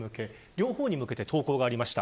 両方に向けて投稿がありました。